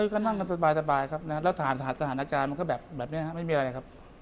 ก็นั่งกันสบายครับแล้วสถานการณ์มันก็แบบแบบนี้ไม่มีอะไรครับ